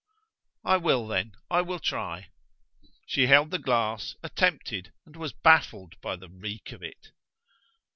"I will, then: I will try." She held the glass, attempted, and was baffled by the reek of it.